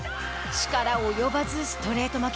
力及ばずストレート負け。